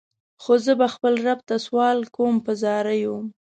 خو زه به خپل رب ته سوال کوم په زاریو.